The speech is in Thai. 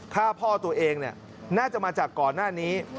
ฆ่าพ่อตัวเองน่าจะมาจากก่อนหน้านี้